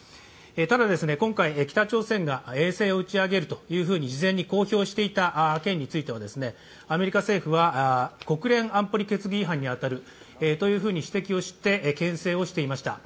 ただ、今回北朝鮮が衛星を打ち上げると事前に公表していた件についてアメリカ政府は国連安保理決議違反に当たると指摘をしてけん制をしていました。